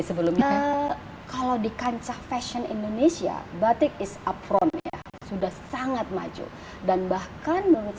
sebelumnya kalau di kancah fashion indonesia batik is afront ya sudah sangat maju dan bahkan menurut